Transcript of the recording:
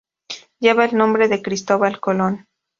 Lleva el nombre de Cristóbal Colón.